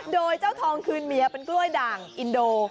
โดยเจ้าทองคืนเมียเป็นกล้วยด่างอินโด